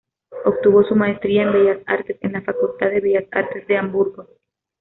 Obtuvo su maestría en Bellas Artes en la Facultad de Bellas Artes de Hamburgo.